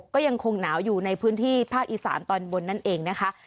ก็ยังคงหนาวอยู่ในพื้นที่ภาคอีสานตอนบนนั่นเองนะคะ